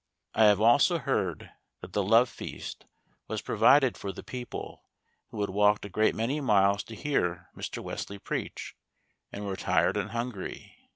I have also heard that the love feast was provided for the people, who had walked a great many miles to hear Mr. Wesley preach, and were tired and hungry.